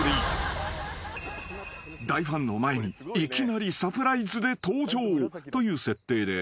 ［大ファンの前にいきなりサプライズで登場という設定で］